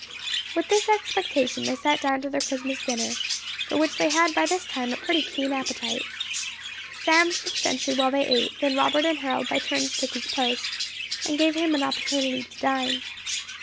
With this expectation they sat down to their Christmas dinner, for which they had by this time a pretty keen appetite. Sam stood sentry while they ate; then Robert and Harold by turns took his post, and gave him opportunity to dine.